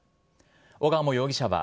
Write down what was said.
小鴨容疑者は